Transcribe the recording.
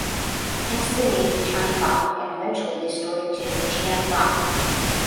Hence the name Chang Lak and eventually distorted to Chiang Rak.